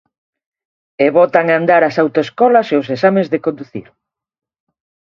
E botan a andar as autoescolas e os exames de conducir.